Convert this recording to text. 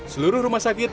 seluruh rumah sakit